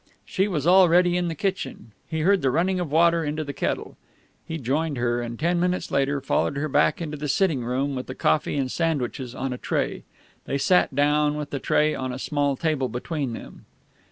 She was already in the kitchen; he heard the running of water into the kettle. He joined her, and ten minutes later followed her back to the sitting room with the coffee and sandwiches on a tray. They sat down, with the tray on a small table between them.